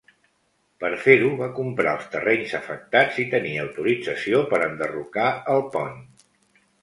Per fer-ho, va comprar els terrenys afectats i tenia autorització per enderrocar el pont.